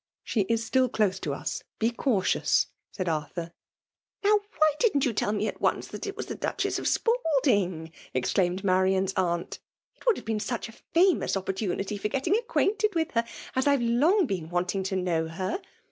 — She is still dose to us — he cautious/' 'said Arthur.' Vovr why didn't you tell me ai once that it was the Duchess of Spalding! exclaimed Mamn*s aunt. *' It would have heen such a ikmbus opportunity for getting acquainted with her, and I*ve long been wanting to know her.